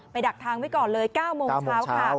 ดักทางไว้ก่อนเลย๙โมงเช้าค่ะ